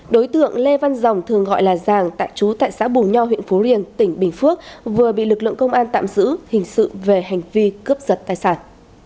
đối tượng lê văn dòng thường gọi là giàng tại chú tại xã bù nho huyện phú riềng tỉnh bình phước vừa bị lực lượng công an tạm giữ hình sự về hành vi cướp giật tài sản